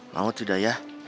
mau tidak ya